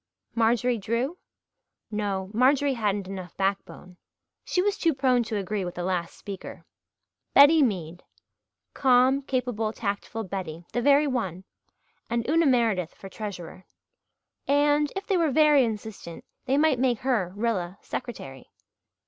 Marjorie Drew? No, Marjorie hadn't enough backbone. She was too prone to agree with the last speaker. Betty Mead calm, capable, tactful Betty the very one! And Una Meredith for treasurer; and, if they were very insistent, they might make her, Rilla, secretary.